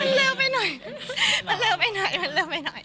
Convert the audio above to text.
มันเร็วไปหน่อยมันเร็วไปหน่อย